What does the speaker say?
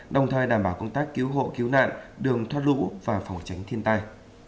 đồng thời đảm bảo công tác cứu hộ cứu nạn đường thoát lũ và phòng tránh thiên tai